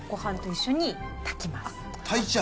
炊いちゃう？